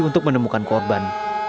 untuk menemukan korban